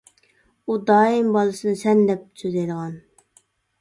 ئۇ دائىم بالىسىنى «سەن» دەپ سۆزلەيدىغان.